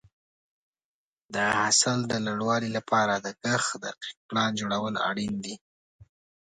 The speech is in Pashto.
د حاصل د لوړوالي لپاره د کښت دقیق پلان جوړول اړین دي.